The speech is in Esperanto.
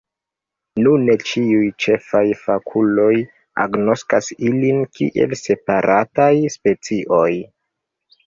Nune ĉiuj ĉefaj fakuloj agnoskas ilin kiel separataj specioj.